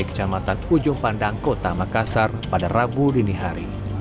kecamatan ujung pandang kota makassar pada rabu dini hari